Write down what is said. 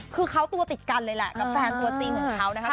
คือเขาตัวติดกันเลยแหละกับแฟนตัวจริงของเขานะคะ